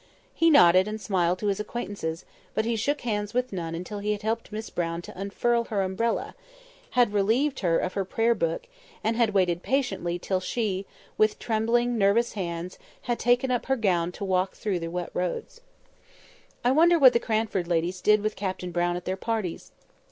He nodded and smiled to his acquaintances; but he shook hands with none until he had helped Miss Brown to unfurl her umbrella, had relieved her of her prayer book, and had waited patiently till she, with trembling nervous hands, had taken up her gown to walk through the wet roads. I wonder what the Cranford ladies did with Captain Brown at their parties.